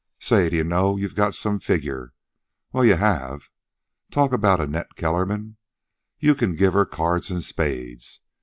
"Say, d'ye know you've got some figure? Well, you have. Talk about Annette Kellerman. You can give her cards and spades.